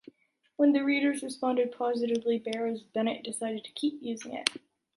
When the readers responded positively, Barrows Bennett decided to keep using it.